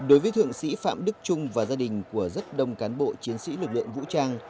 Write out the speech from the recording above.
đối với thượng sĩ phạm đức trung và gia đình của rất đông cán bộ chiến sĩ lực lượng vũ trang